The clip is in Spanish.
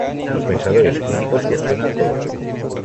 Los pensadores críticos cuestionan todo.